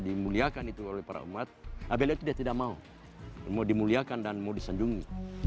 dimuliakan itu oleh para umat apabila dia tidak mau mau dimuliakan dan mau disanjungi